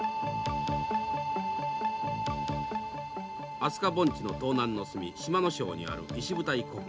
明日香盆地の東南の隅島庄にある石舞台古墳。